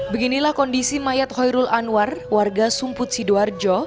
beginilah kondisi mayat hoirul anwar warga sumput sidoarjo